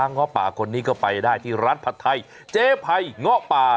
ง้อป่าคนนี้ก็ได้ไปที่รัฐผัดไทยเจภัยง้อป่า